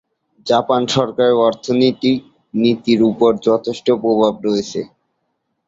Japan সরকারের অর্থনৈতিক নীতির উপর যথেষ্ট প্রভাব রয়েছে।